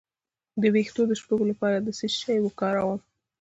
د ویښتو د شپږو لپاره باید څه شی وکاروم؟